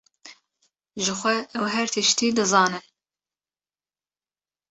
Jixwe ew her tiştî dizanin.